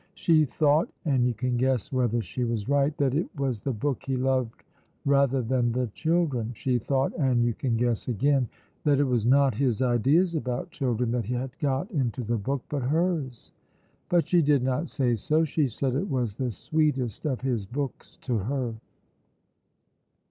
She thought (and you can guess whether she was right) that it was the book he loved rather than the children. She thought (and you can guess again) that it was not his ideas about children that had got into the book, but hers. But she did not say so; she said it was the sweetest of his books to her.